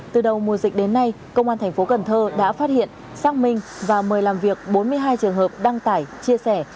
từ đầu mùa dịch đến nay công an thành phố cần thơ đã phát hiện xác minh và mời làm việc bốn mươi hai trường hợp đăng tải chia sẻ